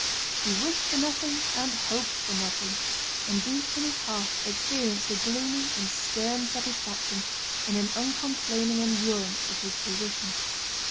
He wished for nothing and hoped for nothing, and deep in his heart experienced a gloomy and stern satisfaction in an uncomplaining endurance of his position.